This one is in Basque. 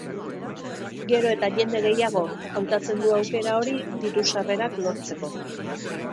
Gero eta jende gehiagok hautatzen du aukera hori diru-sarrerak lortzeko.